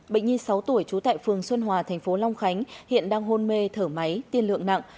bệnh nhi sáu tuổi trú tại phường xuân hòa thành phố long khánh hiện đang hôn mê thở máy tiên lượng nặng